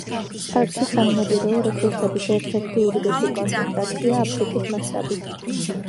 პარკში სამონადირეო რესურსების ერთ-ერთი უდიდესი კონცენტრაციაა აფრიკის მასშტაბით.